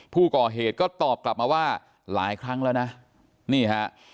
ผู้ก่อเหตุก็ตอบกลับมาว่าหลายครั้งแล้วนะนี่ฮะ